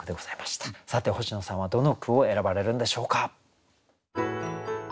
さて星野さんはどの句を選ばれるんでしょうか？